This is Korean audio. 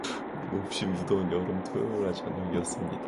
몹시 무더운 여름 토요일날 저녁이었습니다.